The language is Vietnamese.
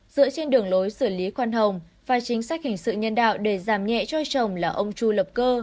dựa trên đường lối xử lý khoan hồng và chính sách hình sự nhân đạo để giảm nhẹ cho chồng là ông chu lập cơ